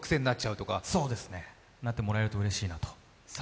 そうですね、なってもらえるとうれしいなと。